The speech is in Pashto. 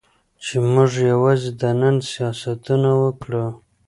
چې موږ یوازې د نن سیاستونه وکړو.